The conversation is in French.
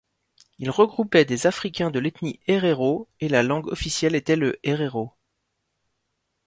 Il regroupait des africains de l'ethnie Héréro et la langue officielle était le héréro.